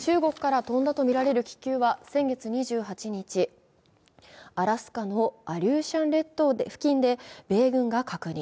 中国から飛んだとみられる気球は先月２８日、アラスカのアリューシャン列島付近で米軍が確認。